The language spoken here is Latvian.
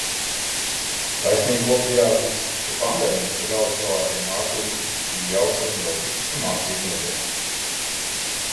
Taisnības labad jāatzīst, ka pandēmijas draudu pelēkie mākoņi bija jaušami jau visu mācību nedēļu.